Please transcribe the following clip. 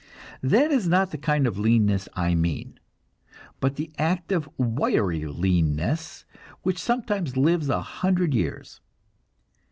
That is not the kind of leanness that I mean, but the active, wiry leanness, which sometimes lives a hundred years.